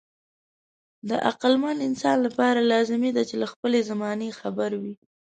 د عقلمن انسان لپاره لازمي ده چې له خپلې زمانې خبر وي.